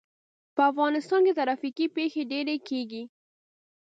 په افغانستان کې ترافیکي پېښې ډېرې کېږي.